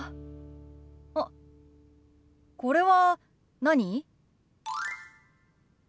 あっこれは何？